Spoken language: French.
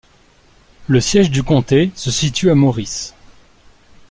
Le siège du comté se situe à Morris.